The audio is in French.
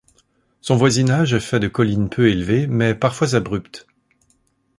Son voisinage est fait de collines peu élevées, mais parfois abruptes.